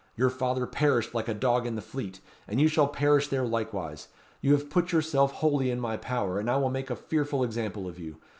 "Your father perished like a dog in the Fleet, and you shall perish there likewise. You have put yourself wholly in my power, and I will make a fearful example of you.